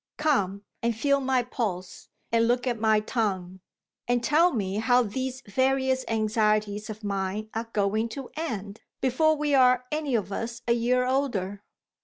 Come, and feel my pulse, and look at my tongue and tell me how these various anxieties of mine are going to end, before we are any of us a year older.